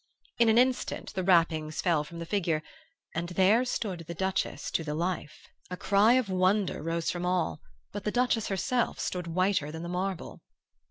In an instant the wrappings fell from the figure, and there knelt the Duchess to the life. A cry of wonder rose from all, but the Duchess herself stood whiter than the marble.